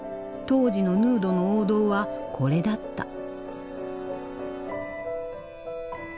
当時のヌードの王道はこれだった。